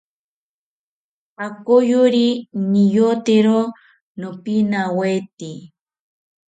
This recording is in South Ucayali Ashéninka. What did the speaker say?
Akoyori niyotero nopinawete